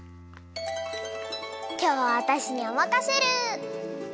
きょうはわたしにおまかシェル。